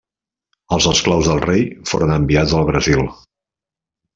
Els esclaus del rei foren enviats al Brasil.